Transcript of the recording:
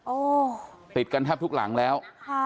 ติดกันแทบทุกหลังแล้ว